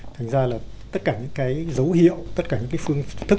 thành ra là tất cả những cái dấu hiệu tất cả những cái phương thức